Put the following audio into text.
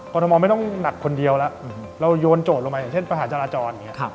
กรทมไม่ต้องหนักคนเดียวแล้วเรายวนโจทย์ลงไปเช่นปัญหาจราจร